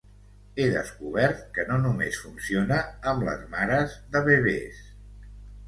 He descobert que no només funciona amb les mares de bebès.